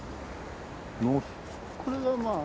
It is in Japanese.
これがまあ。